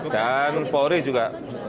dan polri juga